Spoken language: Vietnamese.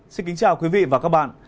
xin kính chào quý vị và các bạn